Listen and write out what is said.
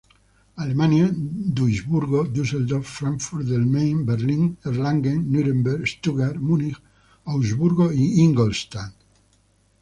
Alemania: Duisburgo, Dusseldorf, Frankfurt del Main, Berlín, Erlangen, Nuremberg, Stuttgart, Munich, Augsburgo, Ingolstadt.